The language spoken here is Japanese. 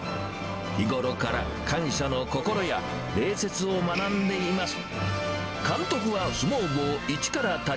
日頃から感謝の心や、礼節を学んでいます。